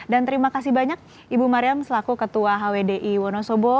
terima kasih banyak ibu mariam selaku ketua hwdi wonosobo